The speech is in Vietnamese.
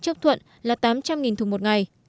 chấp thuận là tám trăm linh thùng một ngày